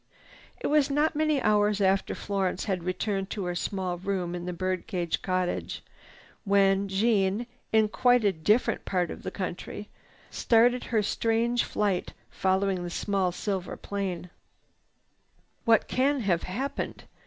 It was not many hours after Florence had returned to her small room in the bird cage cottage, when Jeanne, in quite a different part of the country, started on her strange flight following the small silver plane. "What can have happened?"